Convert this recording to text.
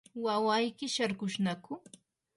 ¿wawayki sharkushnaku?